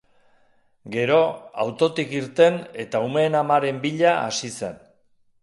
Gero, autotik irten eta umeen amaren bila hasi zen.